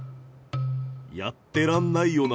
やってらんないよな。